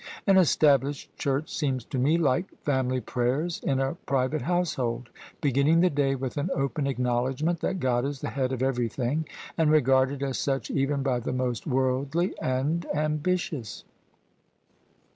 An established Church seems to me like family prayers in a private household : beginning the day with an open acknowledgement that God is the Head of every thing, and regarded as such even by the most worldly and ambitious."